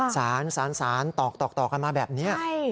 สารสารตอกกันมาแบบนี้